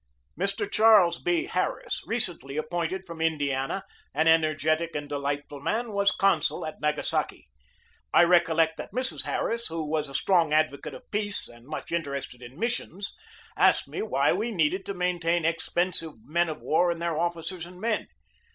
Mr. Charles B. Harris, recently appointed from Indiana, an energetic and delightful man, was consul at Nagasaki. I recollect that Mrs. Harris, who was a strong advocate of peace and much interested in missions, asked me why we needed to maintain ex pensive men of war and their officers and men.